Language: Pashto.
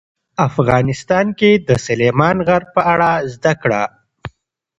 افغانستان کې د سلیمان غر په اړه زده کړه.